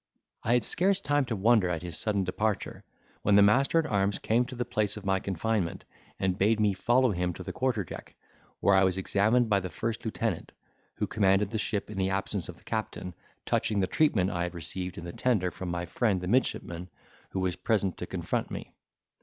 I had scarce time to wonder at his sudden departure, when the master at arms came to the place of my confinement, and bade me follow him to the quarter deck, where I was examined by the first lieutenant, who commanded the ship in the absence of the captain, touching the treatment I had received in the tender from my friend the midshipman, who was present to confront me.